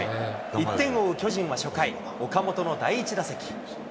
１点を追う巨人は初回、岡本の第１打席。